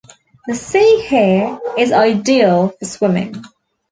The sea, here, is ideal for swimming.